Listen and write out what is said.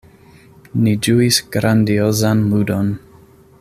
Ni ĝuis grandiozan ludon.